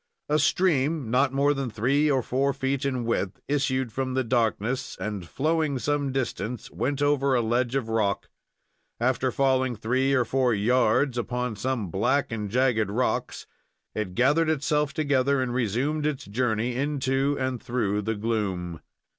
A stream, not more than three or four feet in width, issued from the darkness, and, flowing some distance, went over a ledge of rock. After falling three or four yards, upon some black and jagged rocks, it gathered itself together and resumed its journey into and through the gloom.